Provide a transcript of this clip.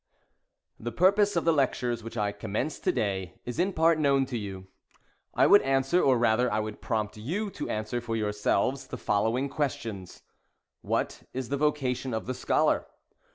The purpose of the Lectures which I commence to day is in part known to you. I would answer, or rather I would prompt you to answer for yourselves, the following ques tions: — What is the vocation of the Scholar'?